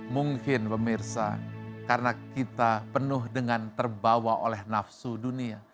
mungkin pemirsa karena kita penuh dengan terbawa oleh nafsu dunia